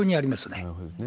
なるほどですね。